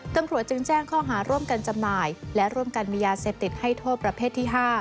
ตำรวจจึงแจ้งข้อหาร่วมกันจำหน่ายและร่วมกันมียาเสพติดให้โทษประเภทที่๕